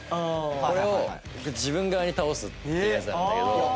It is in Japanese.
これを自分側に倒すっていうやつなんだけど。